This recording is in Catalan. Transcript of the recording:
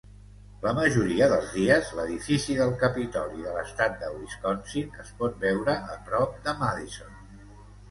La majoria dels dies, l'edifici del Capitoli de l'estat de Wisconsin es pot veure a prop de Madison.